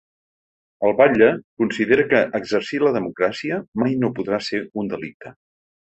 El batlle considera que ‘exercir la democràcia mai no podrà ser un delicte’.